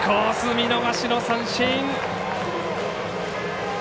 見逃しの三振。